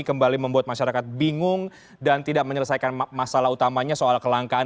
kembali membuat masyarakat bingung dan tidak menyelesaikan masalah utamanya soal kelangkaan